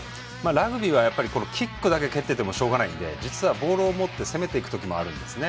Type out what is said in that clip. ラグビーはキックだけ蹴っていてもしょうがないのでボールを持って攻めていく時もあるんですね。